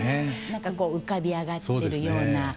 何かこう浮かび上がってるような。